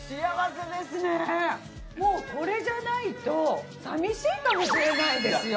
もうこれじゃないと寂しいかもしれないですよ